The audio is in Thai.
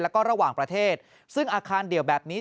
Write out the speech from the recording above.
แล้วก็ระหว่างประเทศซึ่งอาคารเดี่ยวแบบนี้